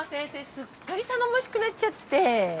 すっかり頼もしくなっちゃって。